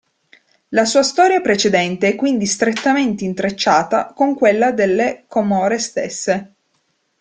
La sua storia precedente è quindi strettamente intrecciata con quella delle Comore stesse.